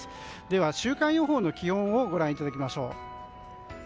では週間予報の気温をご覧いただきましょう。